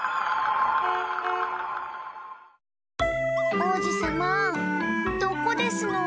おうじさまどこですの？